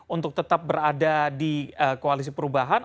untuk tetap berada di koalisi perubahan